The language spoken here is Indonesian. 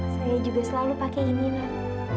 saya juga selalu pakai ini non